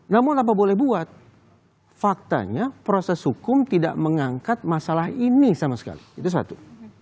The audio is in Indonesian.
namun apa boleh buat faktanya proses hukum tidak mengangkat masalah ini sama sekali itu satu